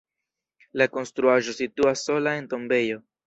La konstruaĵo situas sola en tombejo.